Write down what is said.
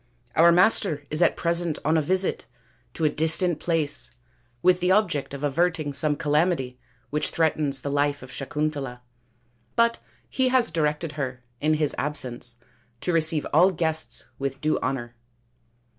" Our master is at present on a visit to a distant place with the object of averting some calamity which threatens the life of Sakuntala ; but he has directed SAKUNTALA AND DUSHYANTA 225 her, in his absence, to receive all guests with due honour."